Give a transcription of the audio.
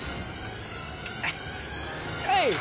はい！